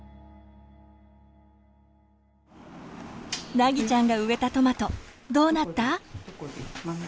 凪ちゃんが植えたトマトどうなった？